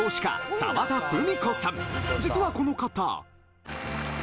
実はこの方